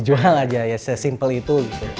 semal aja ya sesimple itu